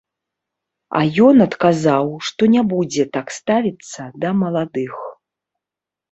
А ён адказаў, што не будзе так ставіцца да маладых.